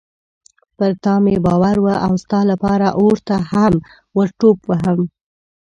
پر تا مې باور و او ستا لپاره اور ته هم ورټوپ وهم.